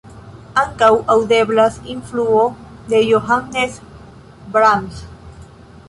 Ankaŭ aŭdeblas influo de Johannes Brahms.